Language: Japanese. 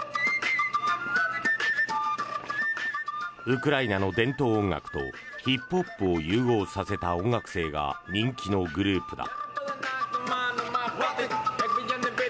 ウクライナの伝統音楽とヒップホップを融合させた音楽性が人気のグループだ。